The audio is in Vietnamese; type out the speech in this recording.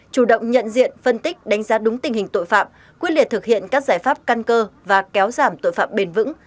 chủ động nhận diện phân tích đánh giá đúng tình hình tội phạm quyết liệt thực hiện các giải pháp căn cơ và kéo giảm tội phạm bền vững